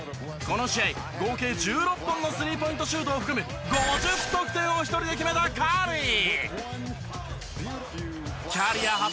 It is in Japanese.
この試合合計１６本のスリーポイントシュートを含む５０得点を一人で決めたカリー。